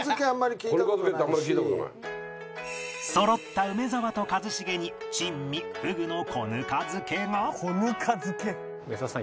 そろった梅沢と一茂に珍味河豚の子糠漬けがねえ。